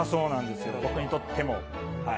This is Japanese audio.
僕にとっても。